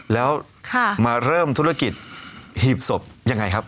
แล้วมาเริ่มธุรกิจหีบศพยังไงครับ